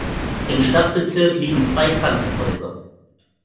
Im Stadtbezirk liegen zwei Krankenhäuser.